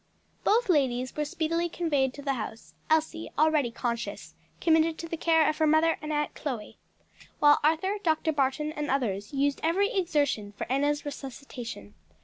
Both ladies were speedily conveyed to the house, Elsie, already conscious, committed to the care of her mother and Aunt Chloe, while Arthur, Dr. Barton and others, used every exertion for Enna's resuscitation.